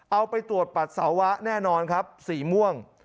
เอาไปตรวจปัสสาวะแน่นอนครับสีม่วง